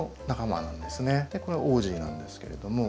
これオージーなんですけれども。